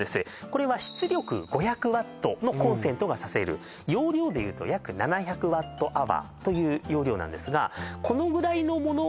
これは出力５００ワットのコンセントが差せる容量でいうと約７００ワットアワーという容量なんですがこのぐらいのもの